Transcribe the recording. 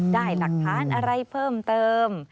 ได้หลักฐานอะไรเพิ่มเติม